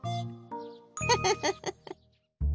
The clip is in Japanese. フフフフッ。